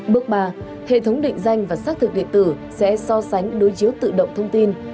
bước ba hệ thống định danh và xác thực điện tử sẽ so sánh đối chiếu tự động thông tin